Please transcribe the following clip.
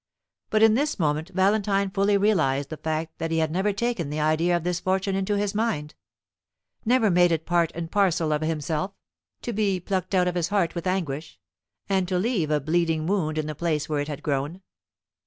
But in this moment Valentine fully realized the fact that he had never taken the idea of this fortune into his mind never made it part and parcel of himself, to be plucked out of his heart with anguish, and to leave a bleeding wound in the place where it had grown.